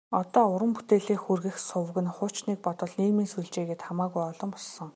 Одоо уран бүтээлээ хүргэх суваг нь хуучныг бодвол нийгмийн сүлжээ гээд хамаагүй олон болсон.